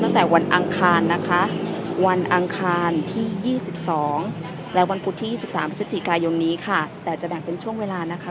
ครับในส่วนของการก่อนสร้างรถฟ้าใสสีเขียวเป็นส่วนหนึ่งนะครับ